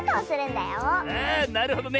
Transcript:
あなるほどね。